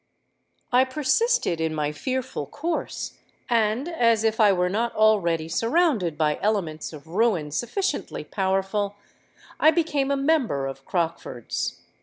"I persisted in my fearful course; and, as if I were not already surrounded by elements of ruin sufficiently powerful, I became a member of Crockford's.